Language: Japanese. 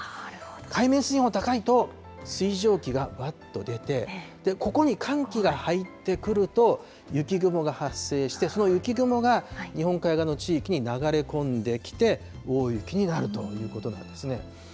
海面水温が高いと水蒸気がわっと出て、ここに寒気が入ってくると、雪雲が発生して、その雪雲が日本海側の地域に流れ込んできて、大雪になるということなんですね。